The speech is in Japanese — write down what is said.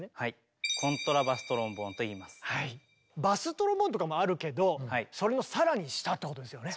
バストロンボーンとかもあるけどそれの更に下ってことですよね？